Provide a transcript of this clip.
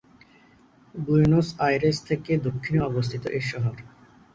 Buenos Aires থেকে দক্ষিণে অবস্থিত এই শহর।